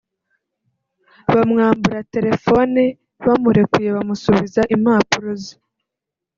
bamwambura telefone bamurekuye bamusubiza impapuro ze